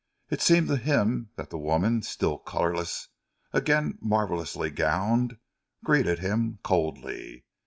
It seemed to him that the woman, still colourless, again marvellously gowned, greeted him coldly.